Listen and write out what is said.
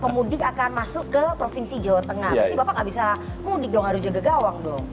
berarti bapak nggak bisa mudik dong harus jaga gawang dong